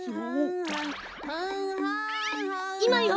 いまよ！